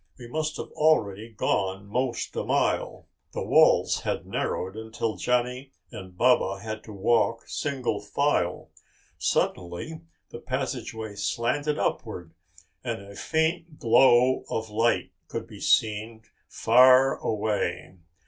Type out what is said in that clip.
"We must've already gone 'most a mile." The walls had narrowed until Johnny and Baba had to walk single file. Suddenly the passageway slanted upward and a faint glow of light could be seen far away.